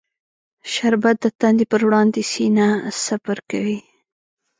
شربت د تندې پر وړاندې سینه سپر کوي